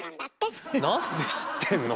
なんで知ってんの？